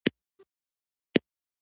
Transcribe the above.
له هماغه ځایه یې شروع کړه چیرته چې یاست.